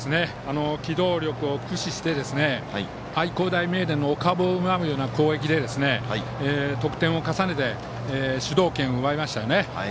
機動力を駆使して愛工大名電のお株を奪うような攻撃で得点を重ねて主導権を奪いましたよね。